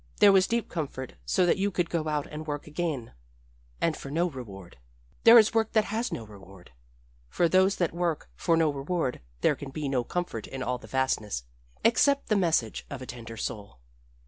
There was deep comfort so that you could go out and work again and for no reward. There is work that has no reward. For those that work for no reward there can be no comfort in all the vastness except the message of a tender soul.